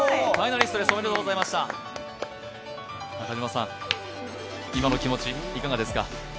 中島さん、今の気持ち、いかがですか？